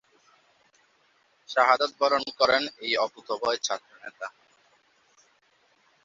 শাহাদাত বরণ করেন এই অকুতোভয় ছাত্রনেতা।